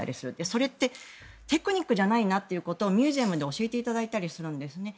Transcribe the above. それって、テクニックじゃないなということをミュージアムで教えていただいたりするんです。